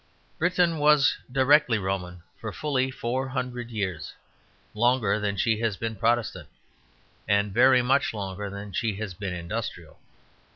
Britain was directly Roman for fully four hundred years; longer than she has been Protestant, and very much longer than she has been industrial.